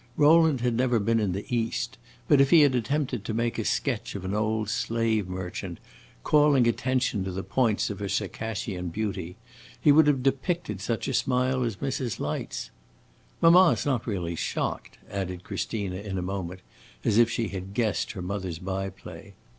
Rowland had never been in the East, but if he had attempted to make a sketch of an old slave merchant, calling attention to the "points" of a Circassian beauty, he would have depicted such a smile as Mrs. Light's. "Mamma 's not really shocked," added Christina in a moment, as if she had guessed her mother's by play.